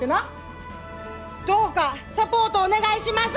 どうかサポートお願いします！